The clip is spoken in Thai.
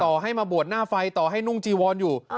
ให้มาบวชหน้าไฟต่อให้นุ่งจีวอนอยู่